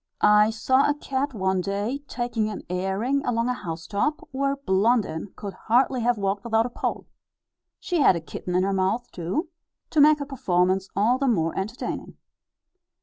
I saw a cat one day, taking an airing along a housetop, where Blondin could hardly have walked without a pole. She had a kitten in her mouth, too, to make her performance all the more entertaining.